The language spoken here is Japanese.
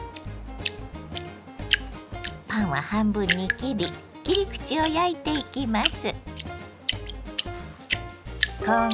パンは半分に切り切り口を焼いていきます。